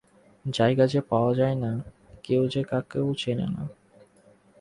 জায়গা যে পাওয়া যায় না, কেউ যে কাকেও চেনে না।